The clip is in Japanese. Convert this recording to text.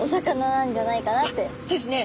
そうですね。